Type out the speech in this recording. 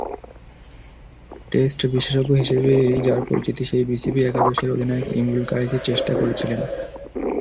Test বিশেষজ্ঞ হিসেবেই যাঁর পরিচিতি, সেই বিসিবি একাদশের অধিনায়ক ইমরুল কায়েসই চেষ্টা করছিলেন।